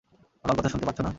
আমার কথা শুনতে পাচ্ছ না?